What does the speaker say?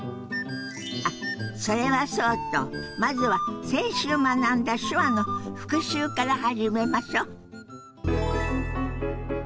あっそれはそうとまずは先週学んだ手話の復習から始めましょ。